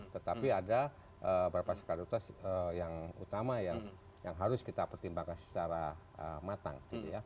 tetapi ada beberapa skala prioritas yang utama yang harus kita pertimbangkan secara matang